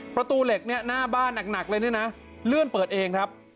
ประตูเหล็กเนี่ยหน้าบ้านหนักเลยเนี่ยนะเลื่อนเปิดเองครับ